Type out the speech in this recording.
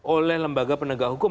oleh lembaga penegak hukum